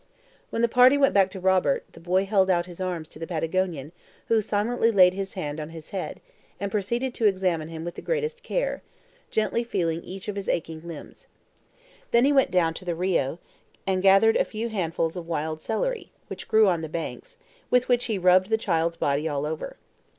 When the party went back to Robert, the boy held out his arms to the Patagonian, who silently laid his hand on his head, and proceeded to examine him with the greatest care, gently feeling each of his aching limbs. Then he went down to the RIO, and gathered a few handfuls of wild celery, which grew on the banks, with which he rubbed the child's body all over.